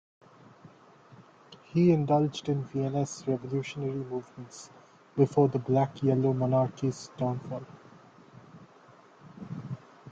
He indulged in Viennese revolutionary movements before the black-yellow monarchy's downfall.